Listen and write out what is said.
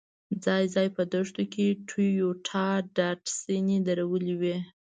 ځای ځای په دښتو کې ټویوټا ډاډسنې درولې وې.